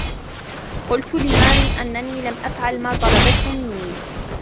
قُلتُ لِماري أَنني لَمْ أَفعَل ما طَلَبتهُ مِنِّي